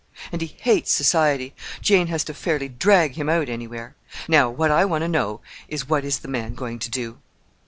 And he hates society. Jane has to fairly drag him out anywhere. Now, what I want to know is, what is the man going to do?"